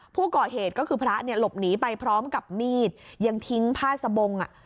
ผู้ก่อเหตุก็คือพระเนี่ยหลบหนีไปพร้อมกับมีดยังทิ้งผ้าสะบงอ่ะ